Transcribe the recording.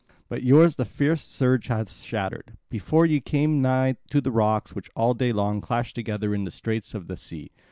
But yours the fierce surge hath shattered, before ye came nigh to the rocks which all day long clash together in the straits of the sea.